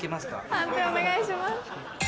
判定お願いします。